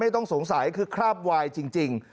ต้องสงสัยคือคราบวายจริง